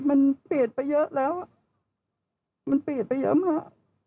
มันเปลี่ยนไปเยอะแล้วมันเปลี่ยนไปเยอะมาก